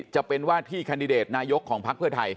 จะเป็นว่าที่แคนดิเดตนายกของพักเพื่อไทย